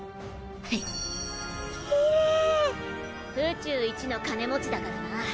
宇宙一の金持ちだからな。